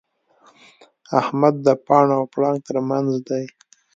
احمد د پاڼ او پړانګ تر منځ دی.